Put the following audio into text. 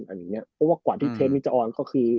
เพราะว่ากว่าที่เทปนี้จะออนก็คือ